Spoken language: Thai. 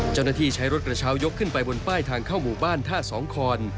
เจ้าหน้าที่ใช้รถกระเช้ายกขึ้นไปบนป้ายทางเข้าหมู่บ้านท่าสองคอน